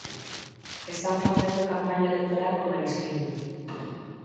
Están facendo campaña electoral co Marisquiño.